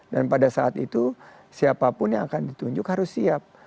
pada saat itu siapapun yang akan ditunjuk harus siap